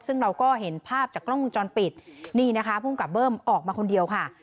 ซึ่งเราก็เห็นภาพจากกล้องวงจรปิดนี่นะคะภูมิกับเบิ้มออกมาคนเดียวค่ะ